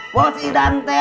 bos idan teah